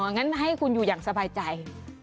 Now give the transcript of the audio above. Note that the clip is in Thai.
งั้นให้คุณอยู่อย่างสบายใจ